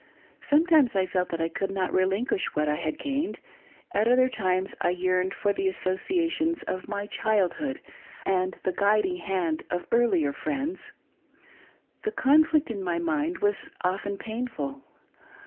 Sometimes I felt that I could not relinquish what I had gained ; at other times I yearned for the associations of my childhood and the guiding hand of earlier friends. The conflict in my mind was often painful.